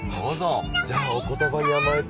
じゃあお言ばにあまえて。